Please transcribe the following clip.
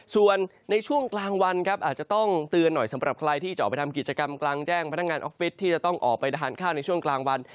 ส่วนในช่วงกลางวันครับอาจจะต้องเตือนหน่อยสำหรับใครที่จะออกไปทำกิจกรรมกลางแจ้งพนักงานออฟฟิศที่จะต้องออกไปทานข้าวในช่วงกลางวัน